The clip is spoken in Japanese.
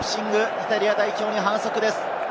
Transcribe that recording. イタリア代表に反則です。